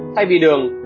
thay vì đường